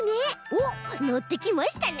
おっのってきましたね。